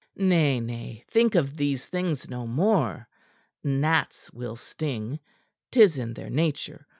"Nay, nay think of these things no more. Gnats will sting; 'tis in their nature.